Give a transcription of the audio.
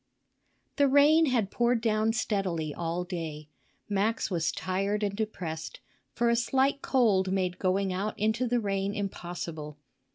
The rain had poured down steadily all day. Max was tired and depressed, for a slight cold made going out into the rain impossible.